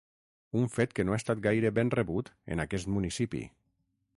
Un fet que no ha estat gaire ben rebut en aquest municipi.